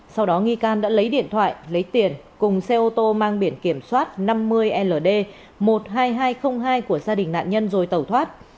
sau đó nghi can đã lấy điện thoại lấy tiền cùng xe ô tô mang biển kiểm soát năm mươi ld một mươi hai nghìn hai trăm linh hai của gia đình nạn nhân rồi tẩu thoát